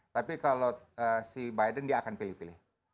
tapi kalau si biden dia akan pilih pilih